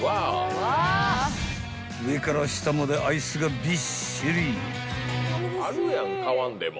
［上から下までアイスがびっしり］